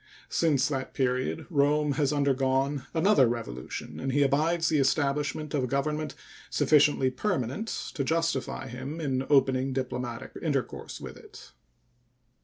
Since that period Rome has undergone another revolution, and he abides the establishment of a government sufficiently permanent to justify him in opening diplomatic intercourse with it.